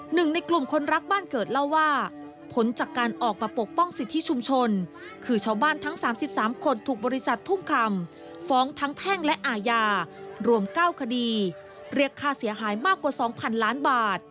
หนึ่งในกลุ่มคนรักบ้านเกิดเล่าว่าผลจากการออกมาปกป้องสิทธิชุมชนคือชาวบ้านทั้ง๓๓คนถูกบริษัททุ่งคำฟ้องทั้งแพ่งและอาญารวม๙คดีเรียกค่าเสียหายมากกว่า๒๐๐๐ล้านบาท